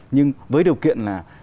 nhưng với điều kiện là